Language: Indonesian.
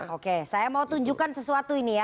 oke saya mau tunjukkan sesuatu ini ya